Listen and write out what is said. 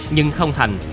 nhưng không thành